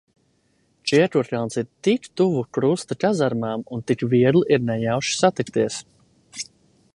Čiekurkalns ir tik tuvu Krusta kazarmām, un tik viegli ir nejauši satikties.